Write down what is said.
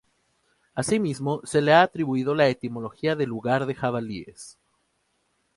Asimismo se le ha atribuido la etimología de lugar de jabalíes.